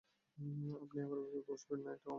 আপনি আবার ভেবে বসবেন না, এটাও আমার একধরনের ভান।